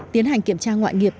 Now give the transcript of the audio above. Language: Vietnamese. tiến hành kiểm tra ngoại nghiệp